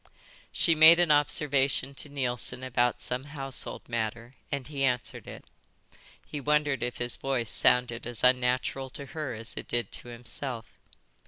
She made an observation to Neilson about some household matter and he answered. He wondered if his voice sounded as unnatural to her as it did to himself.